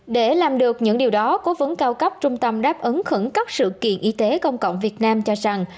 để làm được những điều đó cố vấn cao cấp trung tâm đáp ứng khẩn cấp sự kiện y tế công cộng việt nam cho rằng